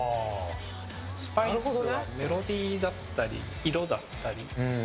スパイスはメロディーだったり色だったり。